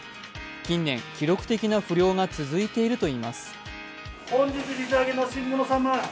近年、記録的な不漁が続いているといいます。